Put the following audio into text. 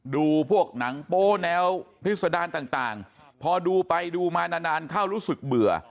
ดูพวกหนังโป๊แนวพิษดารต่างพอดูไปดูมานานเข้ารู้สึกเบื่อ